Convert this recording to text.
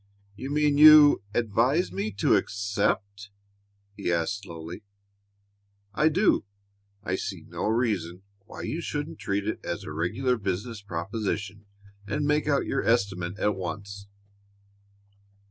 "You mean you advise me to accept?" he asked slowly. "I do. I see no reason why you shouldn't treat it as a regular business proposition and make out your estimate at once."